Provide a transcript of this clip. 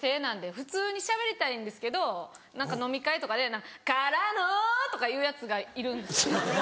普通にしゃべりたいんですけど何か飲み会とかで「からの？」とか言うヤツがいるんですよ。